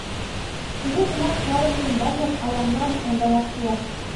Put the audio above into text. Туге гынат палыме ӱмбачак ала-молан ондалаш пуа.